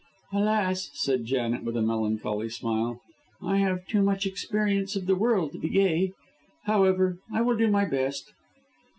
"Alas!" said Janet, with a melancholy smile, "I have too much experience of the world to be gay. However, I will do my best."